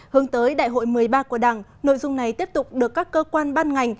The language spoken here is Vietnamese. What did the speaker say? hướng tới đại hội một mươi ba của đảng nội dung này tiếp tục được các cơ quan ban ngành